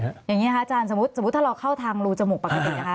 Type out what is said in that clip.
อย่างนี้อาจารย์สมมติถ้าเราเข้าทางรูจมูกปกติ